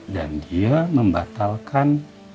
dan dia membatalkan